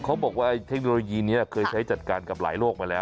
เขาบอกว่าเทคโนโลยีนี้เคยใช้จัดการกับหลายโลกมาแล้ว